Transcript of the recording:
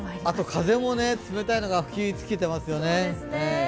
あと風も冷たいのが吹きつけていますよね。